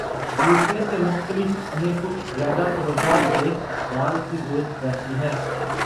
دوسرے سے مختلف، انہیں کچھ زیادہ توجہ، دیکھ بھال کی ضرورت رہتی ہے۔